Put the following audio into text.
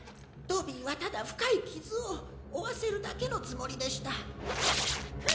ドビーはただ深い傷を負わせるだけのつもりでした